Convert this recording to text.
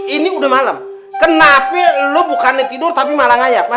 ini udah malam kenapa lo bukannya tidur tapi malah ngayap